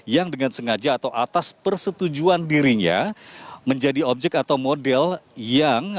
yang dengan sengaja atau atas persetujuan dirinya menjadi objek atau model yang